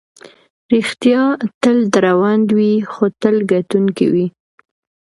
ریښتیا تل دروند وي، خو تل ګټونکی وي.